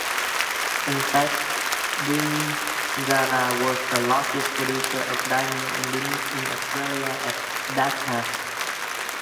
In fact, Bingara was the largest producer of diamonds in Australia at that time.